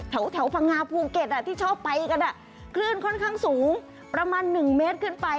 แถวพังงาภูเก็ตที่ชอบไปกันคลื่นค่อนข้างสูงประมาณ๑เมตรขึ้นไป